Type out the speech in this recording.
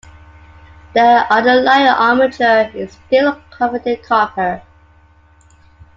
The underlying armature is steel covered in copper.